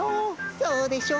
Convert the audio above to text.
そうでしょう？